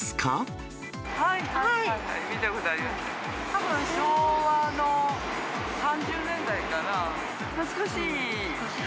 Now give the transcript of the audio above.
たぶん昭和の３０年代かな。